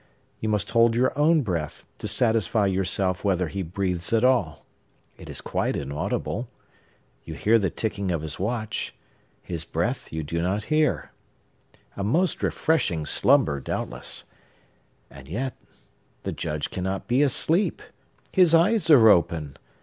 You must hold your own breath, to satisfy yourself whether he breathes at all. It is quite inaudible. You hear the ticking of his watch; his breath you do not hear. A most refreshing slumber, doubtless! And yet, the Judge cannot be asleep. His eyes are open!